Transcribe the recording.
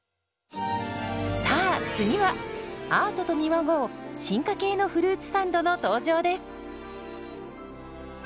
さあ次はアートと見まごう進化系のフルーツサンドの登場です。